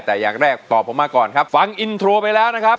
แต่อย่างแรกตอบผมมาก่อนครับฟังอินโทรไปแล้วนะครับ